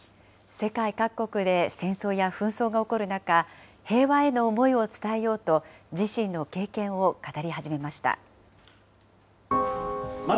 世界各国で戦争や紛争が起こる中、平和への思いを伝えようと、自身の経験を語り始めました。